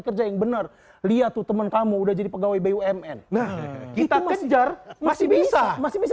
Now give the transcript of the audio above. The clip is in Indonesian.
kerja yang benar lihat tuh temen kamu udah jadi pegawai bumn kita kejar masih bisa masih bisa